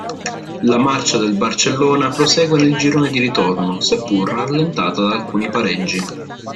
La marcia del Barcellona prosegue nel girone di ritorno, seppur rallentata da alcuni pareggi.